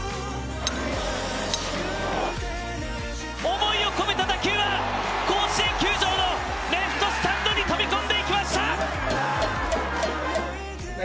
思いを込めた打球は甲子園球場のレフトスタンドに飛び込んでいきました！